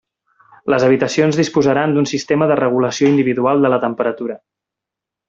Les habitacions disposaran d'un sistema de regulació individual de la temperatura.